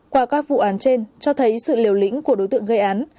qua các vụ án trên cho thấy sự liều lĩnh của đối tượng gây án